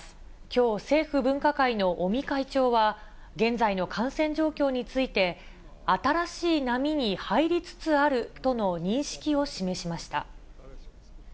きょう、政府分科会の尾身会長は、現在の感染状況について新しい波に入りつつあるとの認識を示しました。